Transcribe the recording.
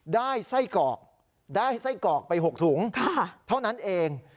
ได้ไส้กรอกได้ไส้กรอกไป๖ถุงเท่านั้นเอง